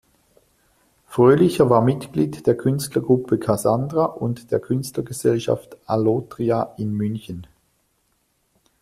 Frölicher war Mitglied der Künstlergruppe Kassandra und der Künstlergesellschaft Allotria in München.